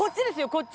こっち。